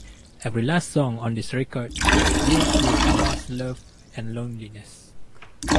Every last song on this record deals with lost love and loneliness.